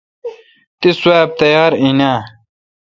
تس سواب تیار این اؘ۔